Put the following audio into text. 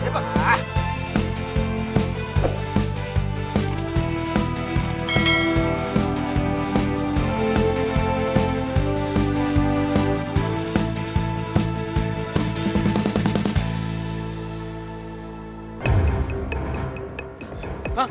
ya bang ya bang